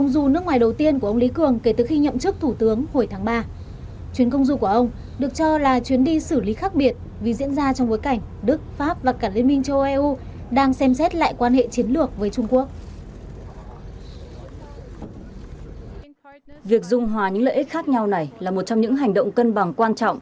việc dung hòa những lợi ích khác nhau này là một trong những hành động cân bằng quan trọng